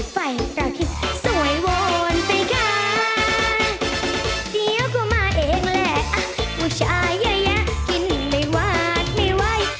ผู้ชายยะยะกินในวาดไม่ไหว